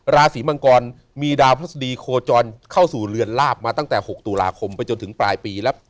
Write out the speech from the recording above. ราศีมังกรมีดาวพระศดีโคจรเข้าสู่เรือนลาบมาตั้งแต่๖ตุลาคมไปจนถึงปลายปีแล้ว